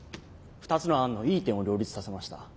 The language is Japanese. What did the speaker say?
２つの案のいい点を両立させました。